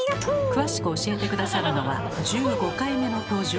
詳しく教えて下さるのは１５回目の登場。